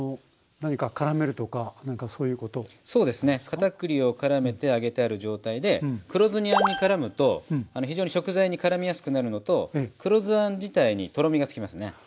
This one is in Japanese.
かたくりをからめて揚げてある状態で黒酢あんにからむと非常に食材にからみやすくなるのと黒酢あん自体にとろみがつきますね。